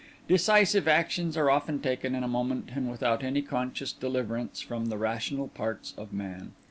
Decisive actions are often taken in a moment and without any conscious deliverance from the rational parts of man.